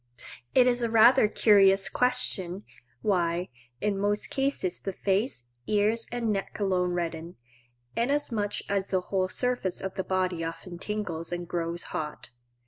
It is a rather curious question why, in most cases the face, ears, and neck alone redden, inasmuch as the whole surface of the body often tingles and grows hot.